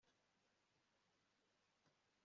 harageze igihe mubuzima bwabakobwa bato